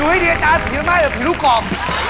ดูให้ดีอาจารย์ผิวไหม้หรือผิวรูปกรอบ